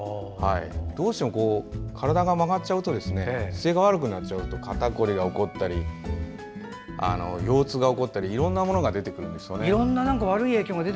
どうしても体が曲がっちゃうと姿勢が悪くなると肩凝りが起こったり腰痛が起こったりいろいろなものが出てくるんです。